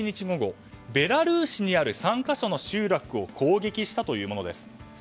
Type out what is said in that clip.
午後ベラルーシにある３か所の集落を攻撃したというものです。